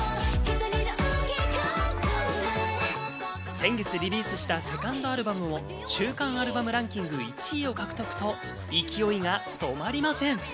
先月リリースしたセカンドアルバムも、週間アルバムランキング１位を獲得と、勢いが止まりません。